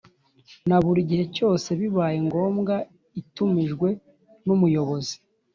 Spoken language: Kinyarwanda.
Na buri gihe cyose bibaye ngombwa itumijwe n’umuyobozi